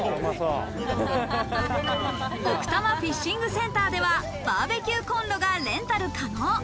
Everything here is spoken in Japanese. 奥多摩フィッシングセンターでは、バーベキューコンロがレンタル可能。